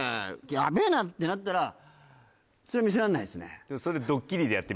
「ヤベーな」ってなったらそれ見せらんないっすね